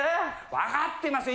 分かってますよ。